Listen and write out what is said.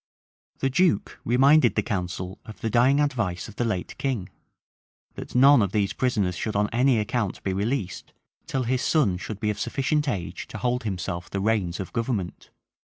The duke reminded the council of the dying advice of the late king, that none of these prisoners should on any account be released, till his son should be of sufficient age to hold himself the reins of government.